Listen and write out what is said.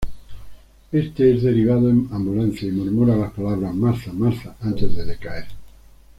Éste es derivado en ambulancia, y murmura las palabras ""Martha... Martha..."" antes de decaer.